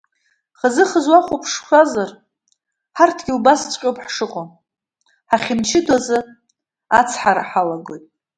Хазы-хазы уҳахәаԥшуазар, ҳарҭгьы убасҵәҟьа ауп ҳшыҟоу, ҳахьымчыдоу азы ацҳара ҳалагоит.